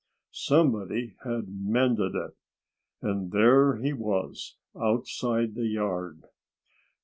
Somebody had mended it. And there he was, outside the yard!